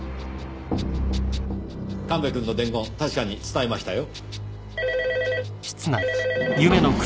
神戸君の伝言確かに伝えましたよ。